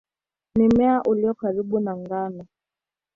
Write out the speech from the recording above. Ni mmea ulio karibu na ngano.